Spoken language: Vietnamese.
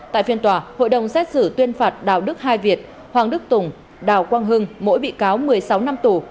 tại phiên tòa hội đồng xét xử tuyên phạt đào đức hai việt hoàng đức tùng đào quang hưng mỗi bị cáo một mươi sáu năm tù